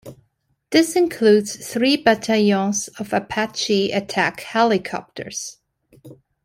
This includes three battalions of Apache attack helicopters.